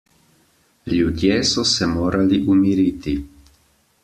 Ljudje so se morali umiriti.